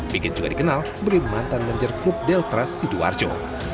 vigit juga dikenal sebagai mantan manajer klub deltras sidoarjo